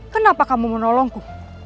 kenapa kamu menolongku